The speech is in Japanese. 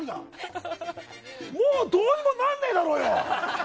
もうどうにもなんねえだろ！